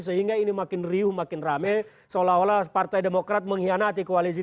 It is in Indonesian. sehingga ini makin riuh makin rame seolah olah partai demokrat mengkhianati koalisi